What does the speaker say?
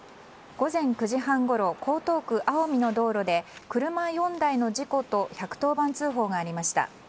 午前９時半ごろ江東区青海の道路で車４台の事故と１１０番通報がありました。